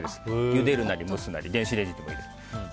ゆでるなり、蒸すなり電子レンジでもいいですが。